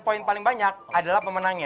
poin paling banyak adalah pemenangnya